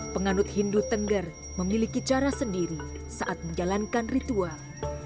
penganut hindu tengger memiliki cara sendiri saat menjalankan ritual